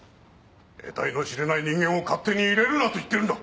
得体の知れない人間を勝手に入れるなと言ってるんだ！